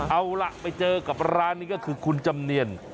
เอาล่ะไปเจอกับร้านนี้ก็คือคุณจำเนียน